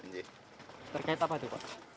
terkait apa itu pak